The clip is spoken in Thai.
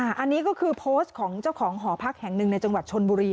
อันนี้ก็คือโพสต์ของเจ้าของหอพักแห่งหนึ่งในจังหวัดชนบุรี